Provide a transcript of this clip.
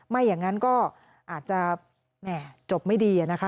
ไม่อย่างนั้นก็อาจจะจบไม่ดีนะคะ